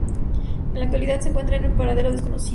En la actualidad, se encuentra en paradero desconocido.